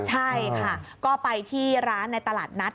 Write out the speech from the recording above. ใช่ค่ะก็ไปที่ร้านในตลาดนัด